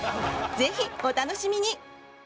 ぜひお楽しみに！